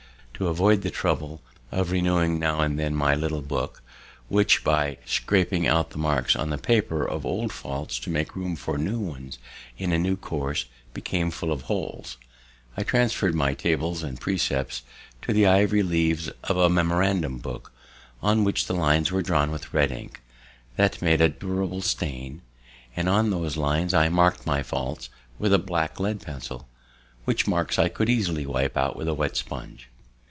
To avoid the trouble of renewing now and then my little book, which, by scraping out the marks on the paper of old faults to make room for new ones in a new course, became full of holes, I transferr'd my tables and precepts to the ivory leaves of a memorandum book, on which the lines were drawn with red ink, that made a durable stain, and on those lines I mark'd my faults with a black lead pencil, which marks I could easily wipe out with a wet sponge.